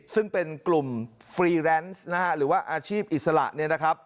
ซึ่งเป็นกลุ่มฟรีแรนซ์หรือว่าอาชีพอิสระ